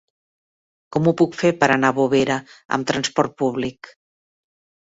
Com ho puc fer per anar a Bovera amb trasport públic?